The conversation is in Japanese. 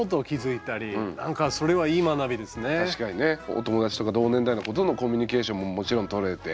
お友達とか同年代の子とのコミュニケーションももちろんとれて。